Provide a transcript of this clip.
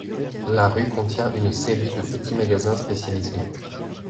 La rue contient une série de petits magasins spécialisés.